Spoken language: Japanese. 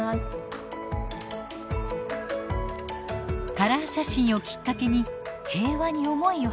カラー写真をきっかけに平和に思いをはせてほしい。